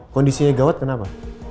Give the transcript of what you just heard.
kondisinya gawat kenapa